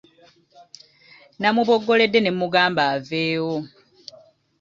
Namuboggoledde ne mmugamba aveewo.